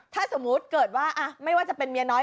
จะเกิดว่าไม่ว่าจะมีเมียน้อย